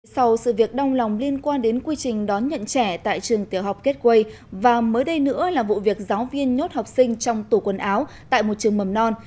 sau sự việc đau lòng liên quan đến quy trình đón nhận trẻ tại trường tiểu học kết quây và mới đây nữa là vụ việc giáo viên nhốt học sinh trong tủ quần áo tại một trường mầm non